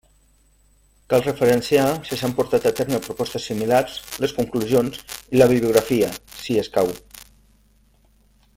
Cal referenciar si s'han portat a terme propostes similars, les conclusions i la bibliografia, si escau.